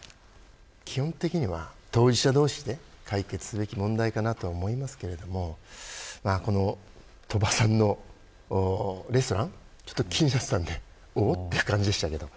基本的には、当事者同士で解決すべき問題かなと思いますがこの鳥羽さんのレストラン気になっていたのでおっという感じでした。